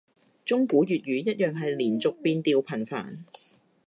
中古粵語一樣係連讀變調頻繁